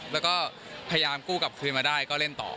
แล้วก็พยายามกู้กลับคืนมาได้ก็เล่นต่อ